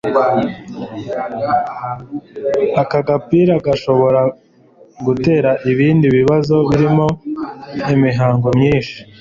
aka gapira gashobora gutera ibindi bibazo birimo imihango myinshi